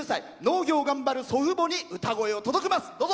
農業を頑張る祖父母に歌声を届けます。